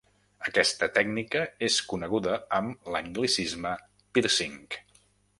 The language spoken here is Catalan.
Aquesta tècnica és coneguda amb l'anglicisme pírcing.